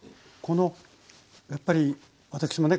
やっぱり私もね